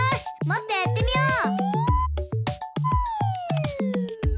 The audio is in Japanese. もっとやってみよう！